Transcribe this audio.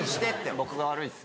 僕が悪いです。